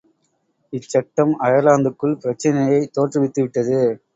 இச்சட்டம் அயர்லாந்துக்குள் பிரச்சினையைத் தோற்றுவித்து விட்டது.